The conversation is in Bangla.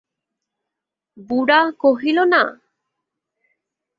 বুড়া কহিল, না।